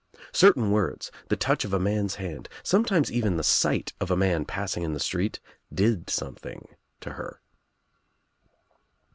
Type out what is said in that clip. Certain words, the touch of a man's hand, sometimes even the sight of a man passing in the street did something to her."